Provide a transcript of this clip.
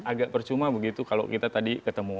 agak percuma begitu kalau kita tadi ketemu